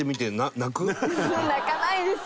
泣かないですよね。